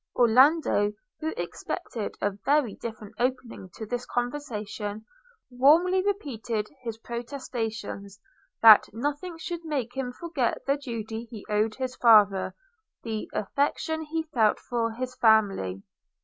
Orlando, who expected a very different opening to this conversation, warmly repeated his protestations, that nothing should make him forget the duty he owed his father – the affection he felt for his family.